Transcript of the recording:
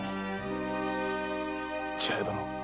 千早殿。